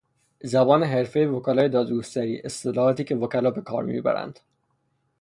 زبان حرفهای وکلای دادگستری، اصطلاحاتی که وکلا به کار میبرند